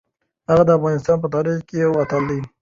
هغه د افغانستان په تاریخ کې یو اتل دی.